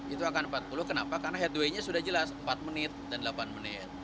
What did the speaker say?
itu akan empat puluh kenapa karena headway nya sudah jelas empat menit dan delapan menit